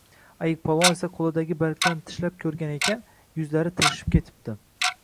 Ayiqpolvon esa qo’lidagi bargdan tishlab ko’rgan ekan, yuzlari tirishib ketibdi